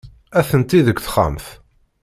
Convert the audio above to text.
Atenti deg texxamt.